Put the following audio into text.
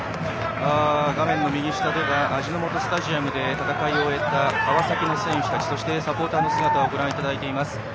画面の右下では味の素スタジアムで戦いを終えた川崎の選手たちそしてサポーターの姿をご覧いただいています。